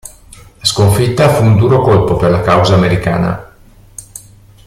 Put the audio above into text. La sconfitta fu un duro colpo per la causa americana.